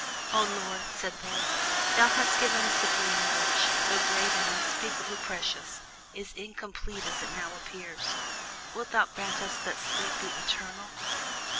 "O Lord," said they, "thou hast given us a boon which, though great and unspeakably precious, is incomplete as it now appears. Wilt thou grant us that sleep be eternal?"